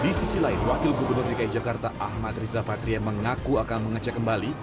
di sisi lain wakil gubernur dki jakarta ahmad riza patria mengaku akan mengecek kembali